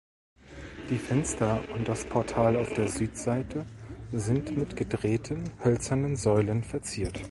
Die Fenster und das Portal auf der Südseite sind mit gedrehten hölzernen Säulen verziert.